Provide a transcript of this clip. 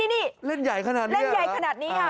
นี่เล่นใหญ่ขนาดนี้ค่ะ